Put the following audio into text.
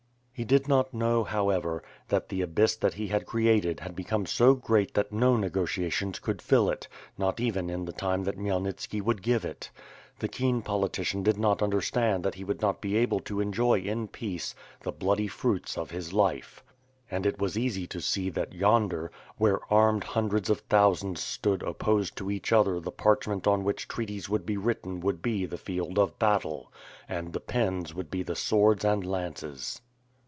He did not know, however, that the abyss that he had created had become so great that no nesrotiations could fill it, not even in the time that Khmyelnitski would give it. The WITH FIRE AND SWORD. 409 keen politician did not understand that he would not be able to enjoy in peace, the bloody fruits of his life. And it was easy to see that yonder, where armed hundreds of thousands stood opposed to each other the parchment on which treaties would be written would be the Held of battle, and the pens would be the swords and lances.